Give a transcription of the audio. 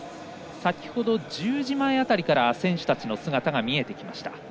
先ほど１０時前辺りから選手たちの姿が見えてきました。